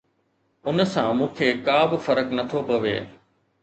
ان سان مون کي ڪا به فرق نه ٿو پوي.